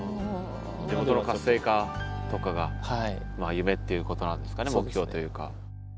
地元の活性化とかが夢っていうことなんですかね目標というか。